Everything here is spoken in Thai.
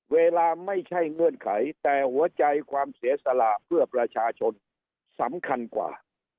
เวลาไม่ใช่เงื่อนไขแต่หัวใจความเสียสละเพื่อประชาชนสำคัญกว่า